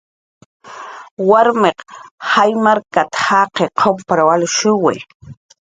"Warmiq jaymarkat"" jaqir qumpar alshiwi"